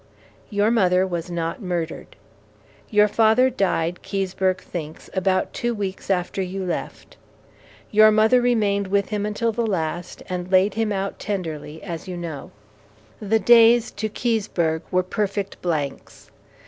Your mother was not murdered. Your father died, Keseberg thinks, about two weeks after you left. Your mother remained with him until the last and laid him out tenderly, as you know. The days to Keseberg were perfect blanks.